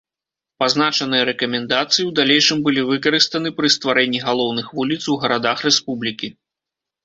Пазначаныя рэкамендацыі ў далейшым былі выкарыстаны пры стварэнні галоўных вуліц у гарадах рэспублікі.